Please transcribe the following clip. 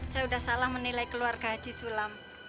saya sudah salah menilai keluarga haji sulam